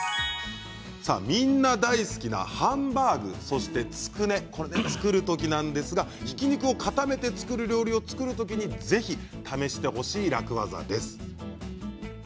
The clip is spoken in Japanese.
みんな大好きなハンバーグやつくねを作る時にひき肉を固めて作る料理を作る時に、ぜひ試してほしい楽ワザです。